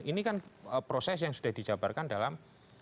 ini kan proses yang sudah dijabarkan dalam